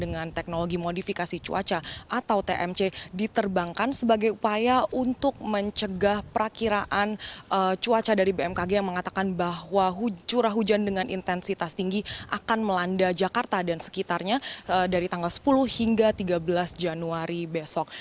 dengan teknologi modifikasi cuaca atau tmc diterbangkan sebagai upaya untuk mencegah perakiraan cuaca dari bmkg yang mengatakan bahwa curah hujan dengan intensitas tinggi akan melanda jakarta dan sekitarnya dari tanggal sepuluh hingga tiga belas januari besok